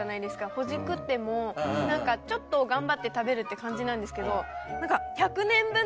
ほじくってもちょっと頑張って食べるって感じなんですけど何か。